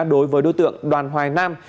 đối với đối tượng đoàn hoài nam